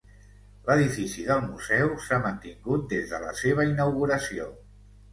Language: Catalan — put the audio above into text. L'edifici del museu s'ha mantingut des de la seva inauguració.